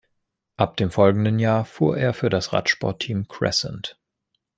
Ab dem folgenden Jahr fuhr er für das Radsportteam Crescent.